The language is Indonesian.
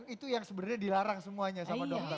itu yang sebenarnya dilarang semuanya sama dokter